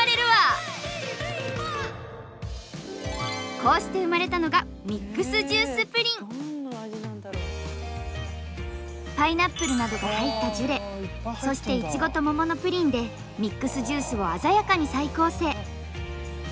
こうして生まれたのがパイナップルなどが入ったジュレそしていちごと桃のプリンでミックスジュースを鮮やかに再構成。